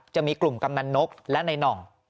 จะมีกลุ่มกำนันนกและในน่อง